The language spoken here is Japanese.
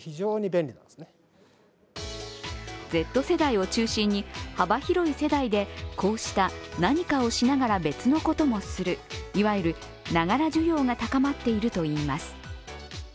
Ｚ世代を中心に幅広い世代で、こうした何かをしながら別のこともするいわゆる、ながら需要が高まっているといいます。